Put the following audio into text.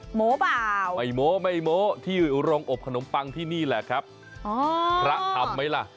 โหมบ่าวไม่โหมที่โรงอบขนมปังที่นี่แหละครับพระธรรมไหมล่ะ